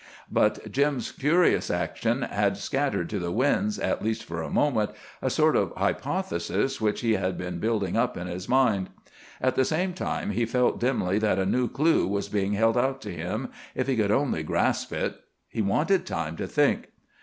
But Jim's curious action had scattered to the winds, at least for a moment, a sort of hypothesis which he had been building up in his mind. At the same time, he felt dimly that a new clue was being held out to him, if he could only grasp it. He wanted time to think.